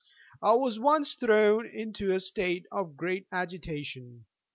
I was at once thrown into a state of great agitation.